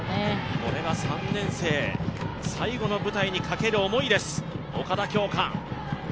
これが３年生最後の舞台にかける思いです、岡田恭佳。